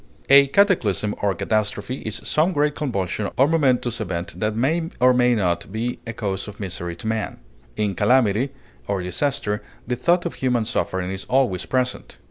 A cataclysm or catastrophe is some great convulsion or momentous event that may or may not be a cause of misery to man. In calamity, or disaster, the thought of human suffering is always present.